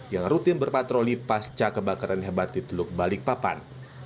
yang rutin berpatroli pasca kebakaran hebat di teluk balikpapan